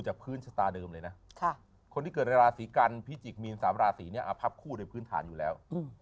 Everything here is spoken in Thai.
ชะตาเดิมเลยนะคนที่เกิดราศีกัญพิจิกต์มีล๓ราศีนี่อ่ะพับคู่ในพื้นฐานอยู่แล้ว